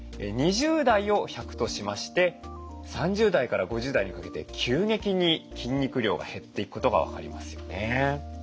２０代を１００としまして３０代から５０代にかけて急激に筋肉量が減っていくことが分かりますよね。